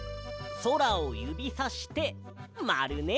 そらをゆびさしてまるね。